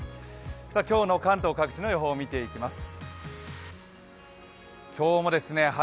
今日の関東各地の予報、見ていきます。